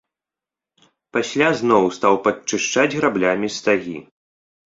Пасля зноў стаў падчышчаць граблямі стагі.